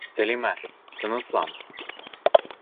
Сәлимә, тыныслан...